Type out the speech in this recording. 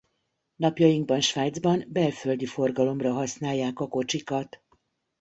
Napjainkban Svájcban belföldi forgalomra használják a kocsikat.